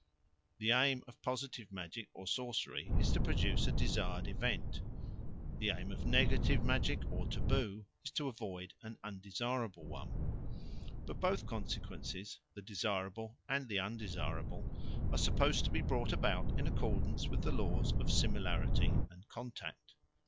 The aim of positive magic or sorcery is to produce a desired event; the aim of negative magic or taboo is to avoid an undesirable one. But both consequences, the desirable and the undesirable, are supposed to be brought about in accordance with the laws of similarity and contact.